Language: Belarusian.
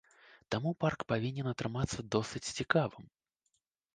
Таму парк павінен атрымацца досыць цікавым.